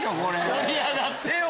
盛り上がってよ！